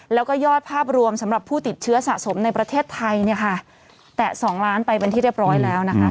แล้วก็ยอดภาพรวมสำหรับผู้ติดเชื้อสะสมในประเทศไทยเนี่ยค่ะแตะ๒ล้านไปเป็นที่เรียบร้อยแล้วนะคะ